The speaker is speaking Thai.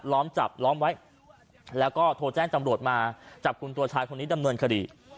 ล้อมจับล้อมไว้แล้วก็โทรแจ้งตำรวจมาจับกลุ่มตัวชายคนนี้ดำเนินคดี